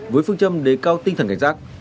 với phương châm đề cao tinh thần cảnh sát